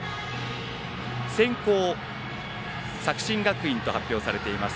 先攻、作新学院と発表されています。